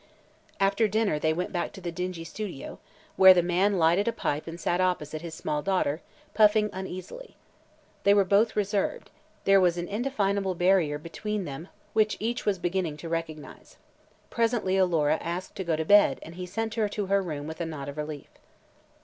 After the dinner they went back to the dingy studio, where the man lighted a pipe and sat opposite his small daughter, puffing uneasily. They were both reserved; there was an indefinable barrier between them which each was beginning to recognize. Presently Alora asked to go to bed and he sent her to her room with a nod of relief.